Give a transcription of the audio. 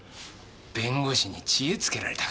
弁護士に知恵つけられたか。